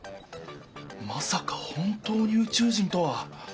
まさか本当に宇宙人とは。